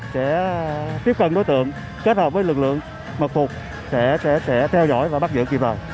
sẽ tiếp cận đối tượng kết hợp với lực lượng mật phục sẽ theo dõi và bắt giữ kịp thời